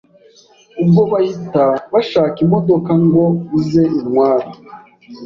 Ubwo bahita bashaka imodoka ngo ize intware